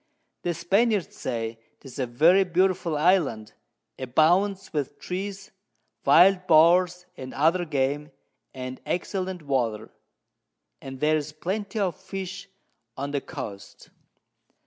The Spaniards say 'tis a very beautiful Island, abounds with Trees, wild Boars, and other Game, and excellent Water; and there's Plenty of Fish on the Coast.